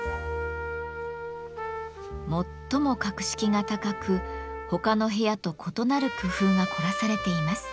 最も格式が高く他の部屋と異なる工夫が凝らされています。